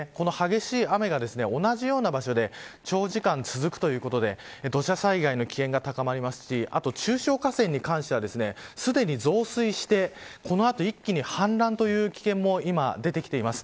この激しい雨が同じような場所で長時間続くということで土砂災害の危険が高まりますしあと中小河川に関してはすでに増水して、この後一気に氾濫という危険も今、出てきています。